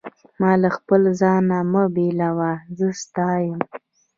ما له خپل ځانه مه بېلوه، زه ستا یم.